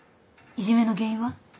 いじめの原因は？